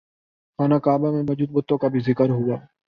خانہ کعبہ میں موجود بتوں کا بھی ذکر ہوا